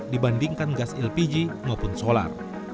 dibandingkan gas lpg maupun solar